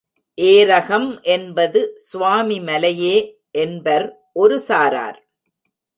ஏரகம் என்பது சுவாமி மலையே என்பர் ஒரு சாரர்.